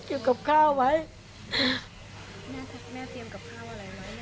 แม่เตรียมกับข้าวอะไรไหม